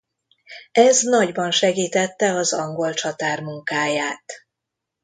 Ez nagyban segítette az angol csatár munkáját.